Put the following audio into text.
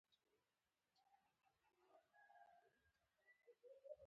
دا پېښه په کال يو زر و نهه سوه کې شوې وه.